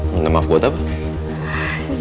minta maaf buat apa